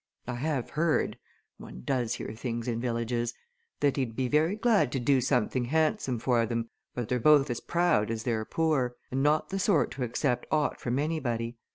I have heard one does hear things in villages that he'd be very glad to do something handsome for them, but they're both as proud as they're poor, and not the sort to accept aught from anybody.